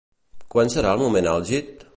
Quan serà el moment àlgid?